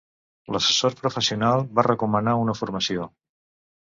L'assessor professional va recomanar una formació.